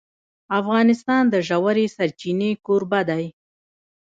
افغانستان د ژورې سرچینې کوربه دی.